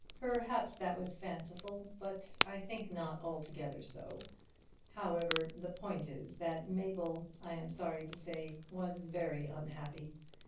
Perhaps that was fanciful, but I think not altogether so. However, the point is that Mabel, I am sorry to say, was very unhappy.